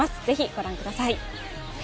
ぜひ御覧ください。